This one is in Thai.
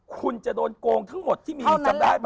คุณจะโดนโกงทั้งหมดที่มีอีกจำนายบี